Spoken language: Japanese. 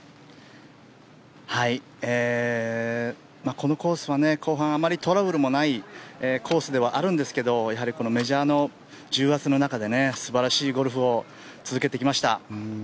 このコースは後半あまりトラブルがないコースではあるんですがやはりメジャーの重圧の中で素晴らしいゴルフを続けてきました。